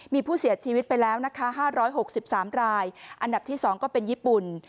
มีผู้เสียชีวิตไปแล้วนะคะ๕๖๓รายอันดับที่๒ก็เป็นญี่ปุ่น